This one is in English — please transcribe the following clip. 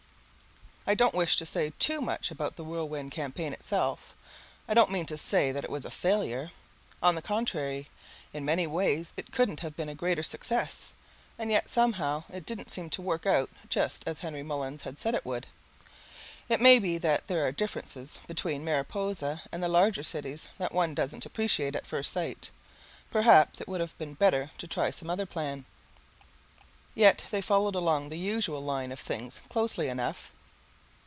I don't wish to say too much about the Whirlwind Campaign itself. I don't mean to say that it was a failure. On the contrary, in many ways it couldn't have been a greater success, and yet somehow it didn't seem to work out just as Henry Mullins had said it would. It may be that there are differences between Mariposa and the larger cities that one doesn't appreciate at first sight. Perhaps it would have been better to try some other plan. Yet they followed along the usual line of things closely enough.